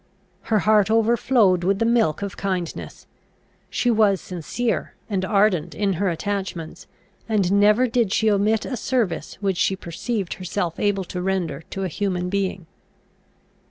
Her heart overflowed with the milk of kindness. She was sincere and ardent in her attachments, and never did she omit a service which she perceived herself able to render to a human being.